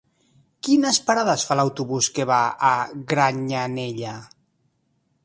Quines parades fa l'autobús que va a Granyanella?